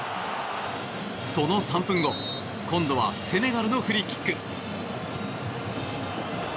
その３分後、今度はセネガルのフリーキック。